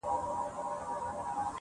لکه ملنگ چي د پاچا د کلا ور ووهي_